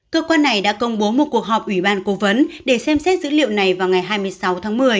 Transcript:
cơ quan này đã công bố một cuộc họp ủy ban cố vấn để xem xét dữ liệu này vào ngày hai mươi sáu tháng một mươi